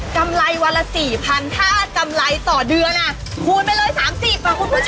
ำไรวันละ๔๐๐ถ้ากำไรต่อเดือนคูณไปเลย๓๐อ่ะคุณผู้ชม